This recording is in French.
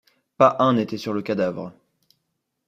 Pas un n’était sur le cadavre.